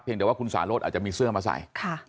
เพียงเดี๋ยวว่าคุณสารสอาจจะมีเสื้อมาใส่